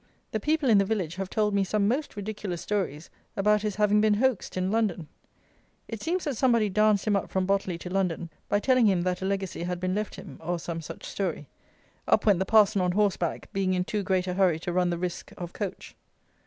The people in the village have told me some most ridiculous stories about his having been hoaxed in London! It seems that somebody danced him up from Botley to London, by telling him that a legacy had been left him, or some such story. Up went the parson on horseback, being in too great a hurry to run the risk of coach.